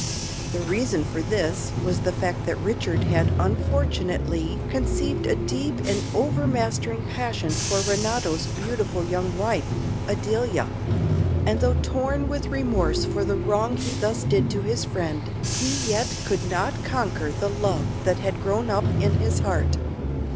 The reason for this was the fact that Richard had unfortunately conceived a deep and over mastering passion for Renato's beautiful young wife, Adelia; and though torn with remorse for the wrong he thus did to his friend, he yet could not conquer the love that had grown up in his heart.